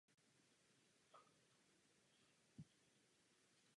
V šachu se stal dvakrát šampionem Británie a získal titul Mezinárodního mistra.